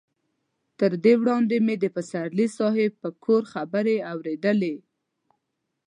تر دې وړاندې مې د پسرلي صاحب پر کور خبرې اورېدلې.